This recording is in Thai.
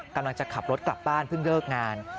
กำลังจะขับรถกลับบ้านเพิ่งเลิกงาน